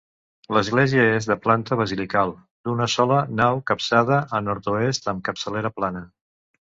L'església és de planta basilical, d'una sola nau capçada a nord-oest amb capçalera plana.